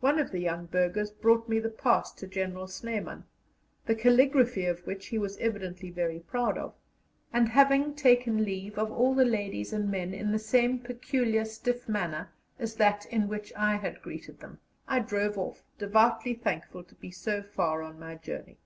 One of the young burghers brought me the pass to General Snyman, the caligraphy of which he was evidently very proud of; and having taken leave of all the ladies and men in the same peculiar stiff manner as that in which I had greeted them, I drove off, devoutly thankful to be so far on my journey.